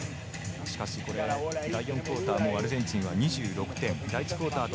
しかし、第４クオーターもアルゼンチン、２６点。